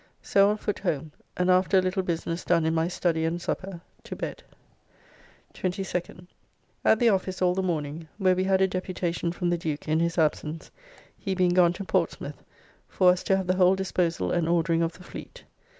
So on foot home, and after a little business done in my study and supper, to bed. 22nd. At the office all the morning, where we had a deputation from the Duke in his absence, he being gone to Portsmouth, for us to have the whole disposal and ordering of the Fleet.